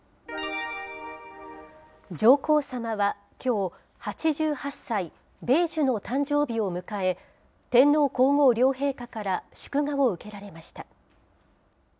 上皇さまはきょう、８８歳・米寿の誕生日を迎え、天皇皇后両陛下から祝賀を受けられました。